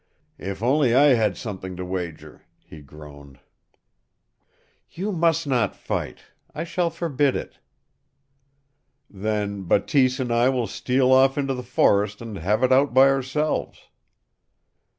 "If only I had something to wager!" he groaned. "You must not fight. I shall forbid it!" "Then Bateese and I will steal off into the forest and have it out by ourselves."